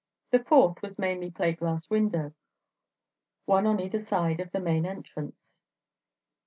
The fourth was mainly plate glass window, one on either side of the main entrance.